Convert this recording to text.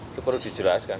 itu perlu dijelaskan